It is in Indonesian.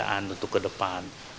tentunya untuk kebahagiaan untuk ke depan